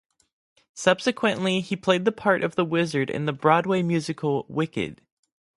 Subsequently, he played the part of The Wizard in the Broadway musical "Wicked".